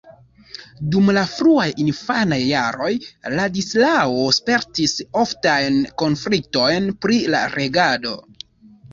Dum la fruaj infanaj jaroj Ladislao spertis oftajn konfliktojn pri la regado.